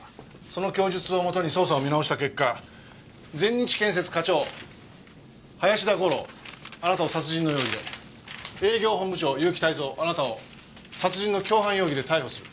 その供述をもとに捜査を見直した結果全日建設課長林田吾朗あなたを殺人の容疑で営業本部長悠木泰造あなたを殺人の共犯容疑で逮捕する。